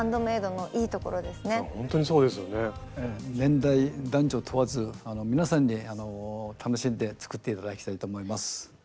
年代男女問わず皆さんに楽しんで作って頂きたいと思います。